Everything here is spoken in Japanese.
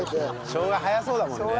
しょうが早そうだもんね。